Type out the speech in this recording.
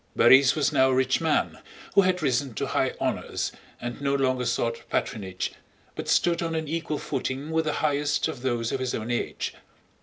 Borís was now a rich man who had risen to high honors and no longer sought patronage but stood on an equal footing with the highest of those of his own age.